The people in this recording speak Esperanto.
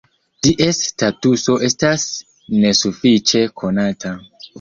Ties statuso estas nesufiĉe konata.